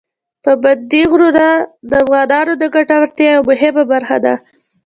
پابندي غرونه د افغانانو د ګټورتیا یوه مهمه برخه ده.